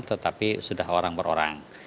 tetapi sudah orang per orang